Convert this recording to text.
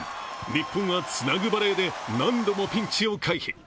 日本はつなぐバレーで何度もピンチを回避。